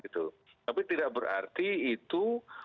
tapi tidak berarti itu